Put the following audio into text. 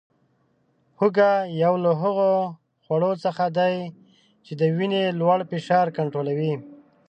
هوګه یو له هغو خوړو څخه دی چې د وینې لوړ فشار کنټرولوي